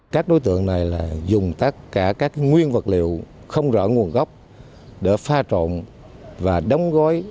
các đối tượng này dùng tất cả các nguyên vật liệu không rõ nguồn gốc để pha trộn và đóng gói